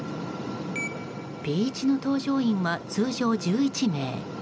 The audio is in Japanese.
Ｐ１の搭乗員は通常１１名。